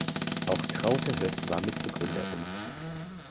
Auch Traute Hoess war Mitbegründerin.